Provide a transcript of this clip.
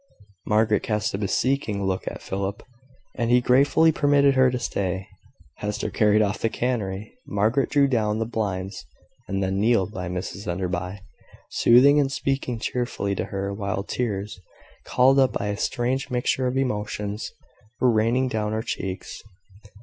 Margaret cast a beseeching look at Philip, and he gratefully permitted her to stay. Hester carried off the canary. Margaret drew down the blinds, and then kneeled by Mrs Enderby, soothing and speaking cheerfully to her, while tears, called up by a strange mixture of emotions, were raining down her cheeks.